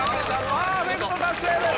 パーフェクト達成です。